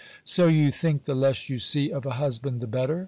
'So you think the less you see of a husband the better?